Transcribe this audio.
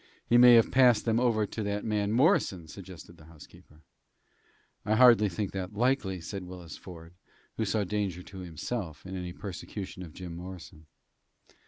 "He may have passed them over to that man Morrison," suggested the housekeeper. "I hardly think that likely," said Willis Ford, who saw danger to himself in any persecution of Jim Morrison.